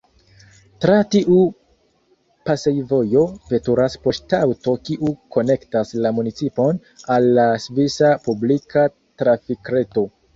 Tra tiu pasejvojo veturas poŝtaŭto, kiu konektas la municipon al la svisa publika trafikreto.